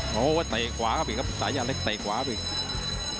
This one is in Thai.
โหเตะขวาครับอีกครับสายาเล็กเตะขวาอีก